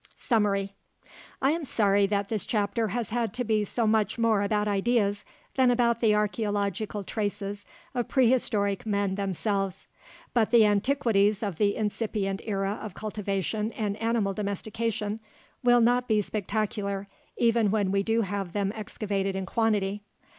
SUMMARY I am sorry that this chapter has had to be so much more about ideas than about the archeological traces of prehistoric men themselves. But the antiquities of the incipient era of cultivation and animal domestication will not be spectacular, even when we do have them excavated in quantity.